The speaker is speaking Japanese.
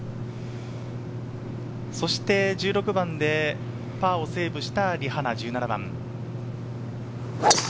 そして１６番でパーセーブしたリ・ハナの１７番。